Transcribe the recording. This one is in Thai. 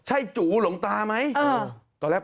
อาวาสมีการฝังมุกอาวาสมีการฝังมุกอาวาสมีการฝังมุก